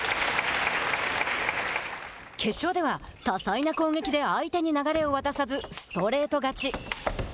決勝では、多彩な攻撃で相手に流れを渡さずストレート勝ち。